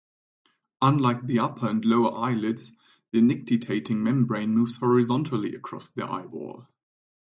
Unlike the upper and lower eyelids, the nictitating membrane moves horizontally across the eyeball.